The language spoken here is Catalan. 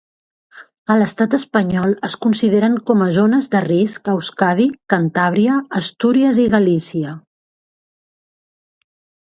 A l'estat espanyol, es consideren com a zones de risc Euskadi, Cantàbria, Astúries i Galícia.